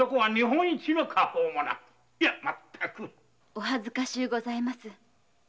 お恥ずかしゅうございます。